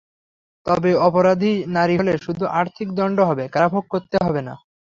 তবে অপরাধী নারী হলে শুধু আর্থিক দণ্ড হবে, কারাভোগ করতে হবে না।